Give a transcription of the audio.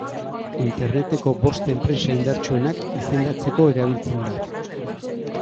Interneteko bost enpresa indartsuenak izendatzeko erabiltzen da.